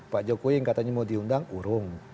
pak jokowi yang katanya mau diundang urung